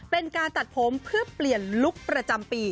เป็นการตัดผมเพื่อเปลี่ยนลุคประจำปี